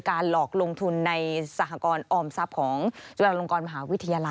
หลอกลงทุนในสหกรออมทรัพย์ของจุฬาลงกรมหาวิทยาลัย